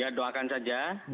ya doakan saja